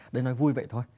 để nói vui vậy thôi